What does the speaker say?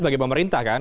bagi pemerintah kan